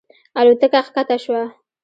الوتکه ښکته شوه.